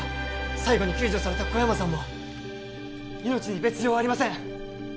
最後に救助された小山さんも命に別状ありません